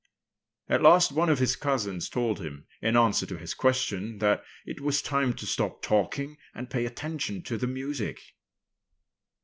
At last one of his cousins told him, in answer to his question, that it was time to stop talking and pay attention to the music.